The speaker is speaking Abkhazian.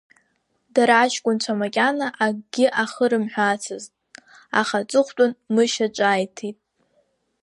Дара аҷкәынцәа макьана акгьы ахы-рымҳәаацызт, аха аҵыхәтәан Мышьа ҿааиҭит…